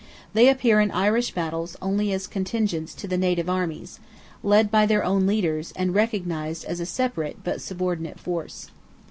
They appear in Irish battles only as contingents to the native armies—led by their own leaders and recognized as a separate, but subordinate force.